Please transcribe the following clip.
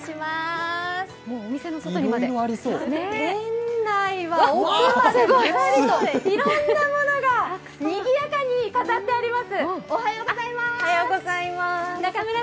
店内は奥まで、いろんなものがにぎやかに飾ってあります。